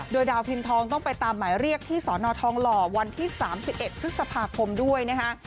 โดยดาวพิมพ์ทองต้องไปตามหมายเรียกที่สนทองหล่อวันที่๓๑พฤษภาคมด้วยนะคะ